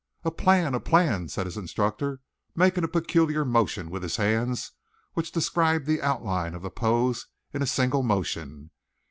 "A plan! A plan!" said his instructor, making a peculiar motion with his hands which described the outline of the pose in a single motion.